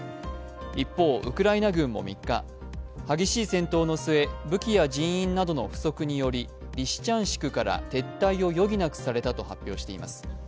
一方、ウクライナ軍も３日、激しい戦闘の末武器や人員などの不足によりリシチャンシクから撤退を余儀なくされたと発表しています。